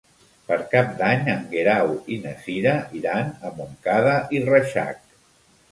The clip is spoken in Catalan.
Per Cap d'Any en Guerau i na Cira iran a Montcada i Reixac.